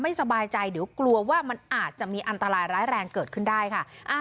สบายใจเดี๋ยวกลัวว่ามันอาจจะมีอันตรายร้ายแรงเกิดขึ้นได้ค่ะ